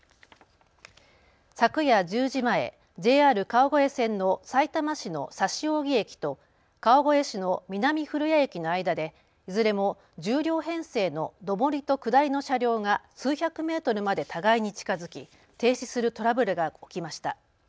昨夜１０時前、ＪＲ川越線のさいたま市の指扇駅と川越市の南古谷駅の間でいずれも１０両編成の上りと下りの車両が数百メートルまで互いに近づき停止するトラブルが起きました。